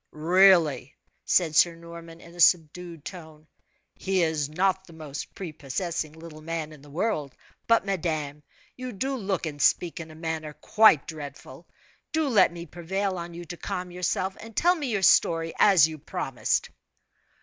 "Really," said Sir Norman, in a subdued tone, "he is not the most prepossessing little man in the world; but, madame, you do look and speak in a manner quite dreadful. Do let me prevail on you to calm yourself, and tell me your story, as you promised."